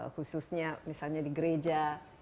khususnya misalnya di gereja